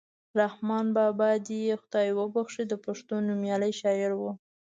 رحمان بابا دې یې خدای وبښي د پښتو نومیالی شاعر ؤ.